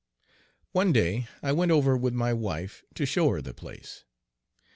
One day I went over with my wife to show her the place.